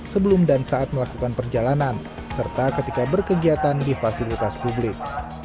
sebelum dan saat melakukan perjalanan serta ketika berkegiatan di fasilitas publik